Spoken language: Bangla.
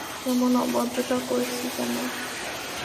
এমন অভদ্রতা করছি কেন?